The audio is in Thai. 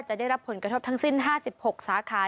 จะได้รับผลกระทบทั้งสิ้น๕๖สาขา